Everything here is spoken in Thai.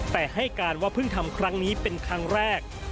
แต่ให้การว่าเพิ่งทำครั้งนี้เป็นครั้งแรก